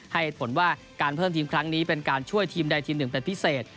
ให้ผลว่าการเพิ่มทีมครั้งนี้เป็นการช่วยทีมใดทีมหนึ่งเป็นพิเศษ